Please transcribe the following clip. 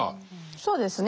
そうですね。